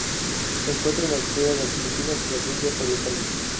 Se encuentra en Australia las Filipinas y las Indias Orientales.